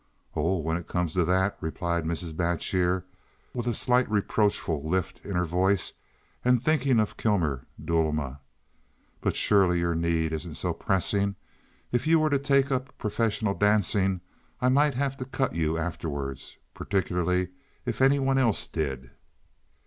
"Oh, when it comes to that—" replied Mrs. Batjer, with a slight reproachful lift in her voice, and thinking of Kilmer Duelma. "But surely your need isn't so pressing. If you were to take up professional dancing I might have to cut you afterward—particularly if any one else did."